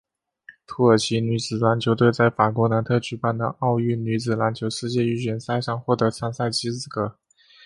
土耳其女子篮球队在法国南特举办的奥运女子篮球世界预选赛上获得参赛资格。